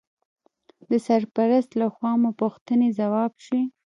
د سرپرست لخوا مو پوښتنې ځواب شوې.